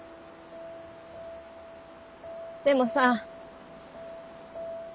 でもさ。